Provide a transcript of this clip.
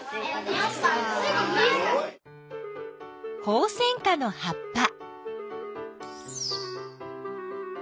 ホウセンカの葉っぱ。